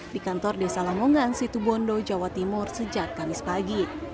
di kantor desa lamongan situbondo jawa timur sejak kamis pagi